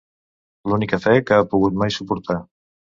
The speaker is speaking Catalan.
L'única fe que ha pogut mai suportar.